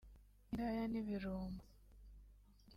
indaya n’ibirumbo